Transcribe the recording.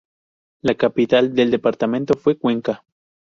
La capital del Departamento fue Cuenca.